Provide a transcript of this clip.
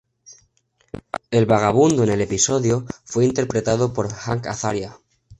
El vagabundo en el episodio fue interpretado por Hank Azaria.